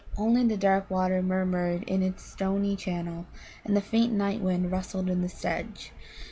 Only the dark water murmured in its stony channel, and the faint night wind rustled in the sedge.